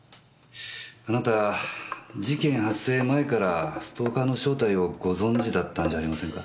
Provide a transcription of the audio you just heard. あなた事件発生前からストーカーの正体をご存じだったんじゃありませんか？